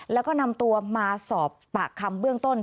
แล้วก็นำตัวมาสอบปากคำเบื้องต้น